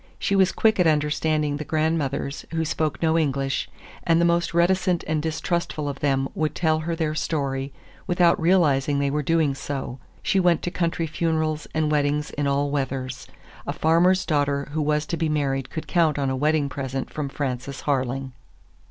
She was quick at understanding the grandmothers who spoke no English, and the most reticent and distrustful of them would tell her their story without realizing they were doing so. She went to country funerals and weddings in all weathers. A farmer's daughter who was to be married could count on a wedding present from Frances Harling.